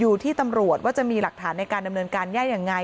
อยู่ที่ตำรวจว่าจะมีหลักฐานในการดำเนินการแย่ยังไง